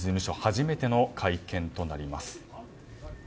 初めての会見となります。